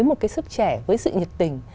một cái sức trẻ với sự nhiệt tình